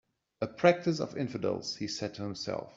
"A practice of infidels," he said to himself.